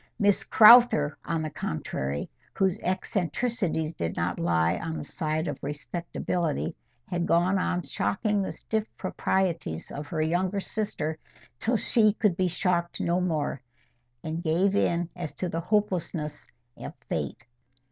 Miss Crowther, on the contrary, whose eccentricities did not lie on the side of respectability, had gone on shocking the stiff proprieties of her younger sister till she could be shocked no more, and gave in as to the hopelessness of fate.